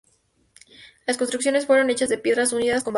Las construcciones fueron hechas de piedras unidas con barro.